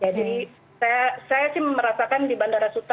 jadi saya sih merasakan di bandara suta ya